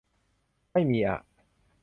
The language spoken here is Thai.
ไม่มีอ่ะ